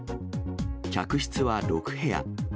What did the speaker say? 客室は６部屋。